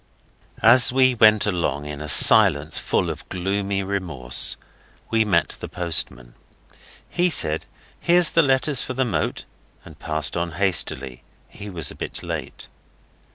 As we went along, in a silence full of gloomy remorse, we met the postman. He said 'Here's the letters for the Moat,' and passed on hastily. He was a bit late.